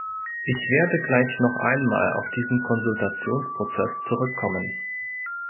Ich werde gleich noch einmal auf diesen Konsultationsprozess zurückkommen.